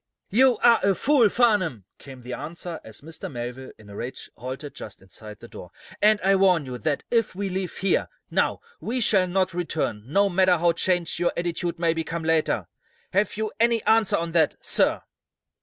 "You're a fool, Farnum!" came the answer as Mr. Melville, in a rage, halted just inside the door. "And I warn you that, if we leave here, now, we shall not return, no matter how changed your attitude may become later. Have you any answer to that, sir?"